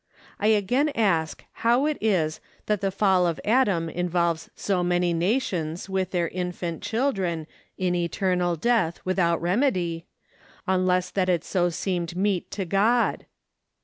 I again ask how it is that the fall of Adam involves so many nations with their infant children in eternal death without remedy, unless that it so seemed meet to God?